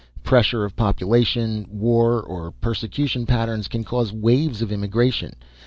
Pressure of population, war or persecution patterns can cause waves of immigration.